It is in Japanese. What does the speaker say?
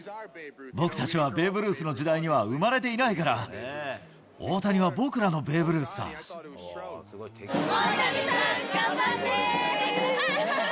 僕たちはベーブ・ルースの時代には生まれていないから、大谷は僕大谷さん、頑張って！